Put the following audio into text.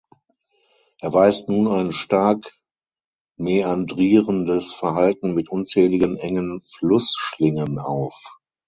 Er weist nun ein stark mäandrierendes Verhalten mit unzähligen engen Flussschlingen auf.